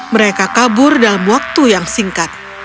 mereka kabur dalam waktu yang singkat